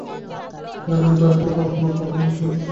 এখান থেকে বের হওয়ার আর কোন পথ আমার কাছে ছিলো না।